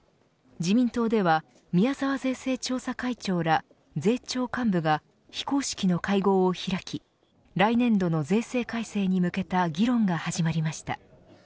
自民党では宮沢税制調査会長ら税調幹部が非公式の会合を開き来年度の税制改正に向けた議論が始まりました。